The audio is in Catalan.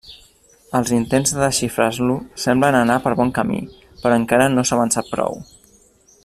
Els intents de desxifrar-lo semblen anar per bon camí però encara no s'ha avançat prou.